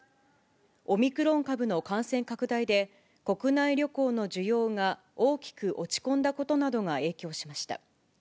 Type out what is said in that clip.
オミクロン株の感染拡大で、国内旅行の需要が大きく落ち込んだことなどが影響しました。